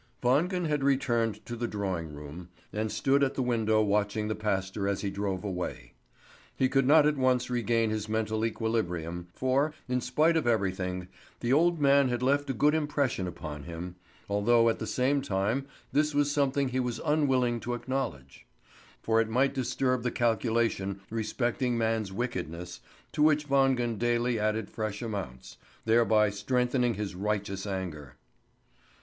Wangen had returned to the drawing room, and stood at the window watching the pastor as he drove away. He could not at once regain his mental equilibrium, for, in spite of everything, the old man had left a good impression upon him, although at the same time this was something he was unwilling to acknowledge; for it might disturb the calculation respecting man's wickedness, to which Wangen daily added fresh amounts, thereby strengthening his righteous anger.